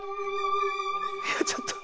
ちょっと。